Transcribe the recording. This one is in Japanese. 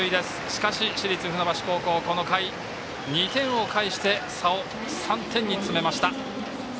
しかし市立船橋高校この回、２点を返して差を３点に詰めました。